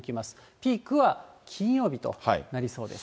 ピークは金曜日となりそうです。